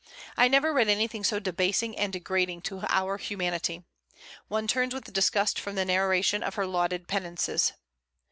I never read anything so debasing and degrading to our humanity. One turns with disgust from the narration of her lauded penances.